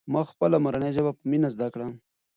ما خپله مورنۍ ژبه په مینه زده کړه.